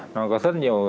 nó có rất nhiều